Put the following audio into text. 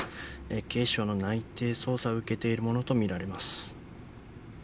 警視庁の内偵捜査を受けているものと見られます。